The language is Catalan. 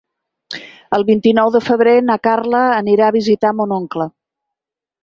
El vint-i-nou de febrer na Carla anirà a visitar mon oncle.